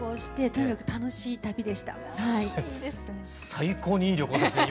最高にいい旅行ですね。